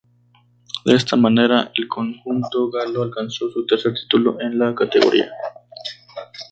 De esta manera, el conjunto galo alcanzó su tercer título en la categoría.